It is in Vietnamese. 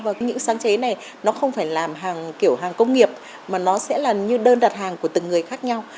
và những sáng chế này nó không phải làm hàng kiểu hàng công nghiệp mà nó sẽ là như đơn đặt hàng của từng người khác nhau